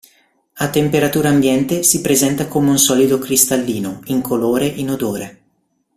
A temperatura ambiente si presenta come un solido cristallino incolore inodore.